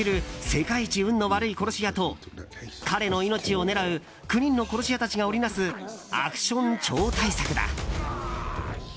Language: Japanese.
世界一運の悪い殺し屋と彼の命を狙う９人の殺し屋たちが織り成すアクション超大作だ。